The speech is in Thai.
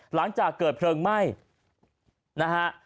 หลังจากเกิดเพลิงไหม้นะฮะ